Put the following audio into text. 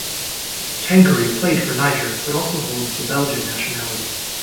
Tankary played for Niger, but also holds a Belgian nationality.